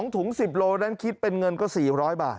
ถุง๑๐โลนั้นคิดเป็นเงินก็๔๐๐บาท